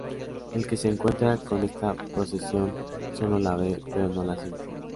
El que se encuentra con esta procesión, sólo la ve, pero no la siente.